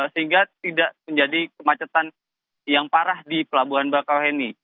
sehingga tidak menjadi kemacetan yang parah di pelabuhan bakauheni